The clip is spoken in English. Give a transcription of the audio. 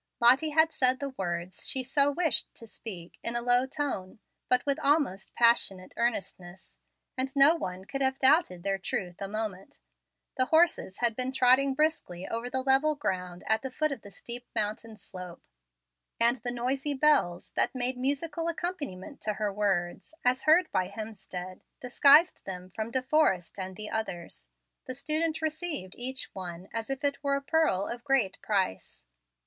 Lottie had said the words she so wished to speak in a low tone, but with almost passionate earnestness, and no one could have doubted their truth a moment. The horses had been trotting briskly over the level ground at the foot of the steep mountain slope, and the noisy bells that made musical accompaniment to her words, as heard by Hemstead, disguised them from De Forrest and the others. The student received each one as if it were a pearl of great price.